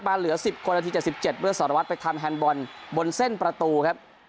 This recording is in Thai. มาเหลือสิบคนละทีสิบเจ็บเพื่อสรวจไปทำแฮนด์บอลบนเส้นประตูครับ